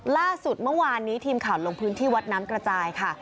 ล่าสุดเมื่อวานนี้ทีมข่าวลงพื้นที่วัดน้ำกระจายค่ะ